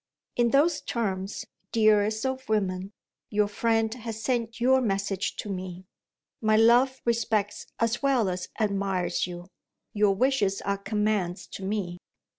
In those terms, dearest of women, your friend has sent your message to me. My love respects as well as admires you; your wishes are commands to me.